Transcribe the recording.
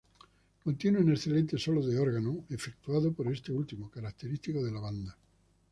Contiene un excelente solo de órgano efectuado por este último, característico de la banda.